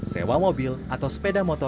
sewa mobil atau sepeda